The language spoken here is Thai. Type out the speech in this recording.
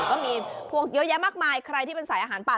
ก็มีพวกเยอะแยะมากมายใครที่เป็นสายอาหารป่า